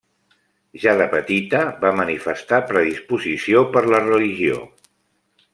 Ja de petita va manifestar predisposició per la religió.